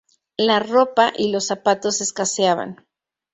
La ropa y los zapatos escaseaban.